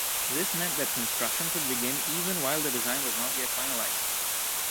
This meant that construction could begin even while the design was not yet finalized.